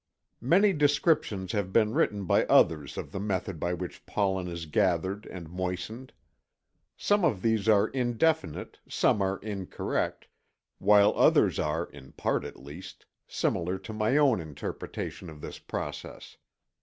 Many descriptions have been written by others of the method by which pollen is gathered and moistened. Some of these are indefinite, some are incorrect, while others are, in part, at least, similar to my own interpretation of this process.